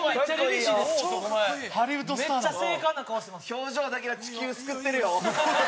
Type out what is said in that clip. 表情だけは地球救ってるよ。